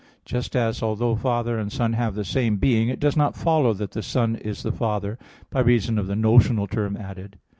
Just as, although Father and Son have the same being, it does not follow that the Son is the Father, by reason of the notional term added.